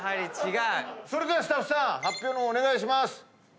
それではスタッフさん発表の方お願いします。